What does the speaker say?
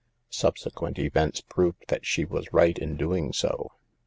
Subsequent events proved that she was right in doing so.